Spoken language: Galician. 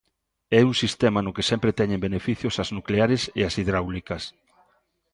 É un sistema no que sempre teñen beneficios as nucleares e as hidráulicas.